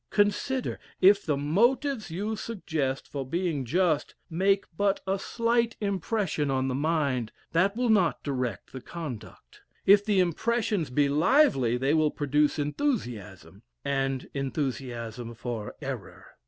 Consider if the motives you suggest for being just make but a slight impression on the mind, that will not direct the conduct if the impressions be lively, they will produce enthusiasm, and enthusiasm for error.